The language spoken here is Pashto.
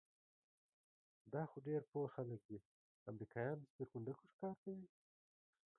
دا خو ډېر پوه خلک دي، امریکایان د سپېرکونډکو ښکار کوي؟